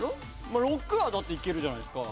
６はいけるじゃないですか。